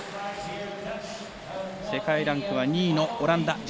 世界ランクは２位のオランダ。